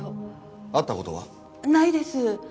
会った事は？ないです。